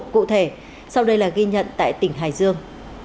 cụ thể sau đây là ghi nhận tại tỉnh hải dương